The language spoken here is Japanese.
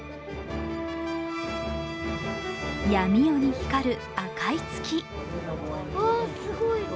闇夜に光る赤い月。